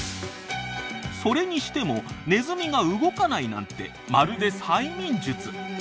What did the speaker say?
それにしてもネズミが動かないなんてまるで催眠術。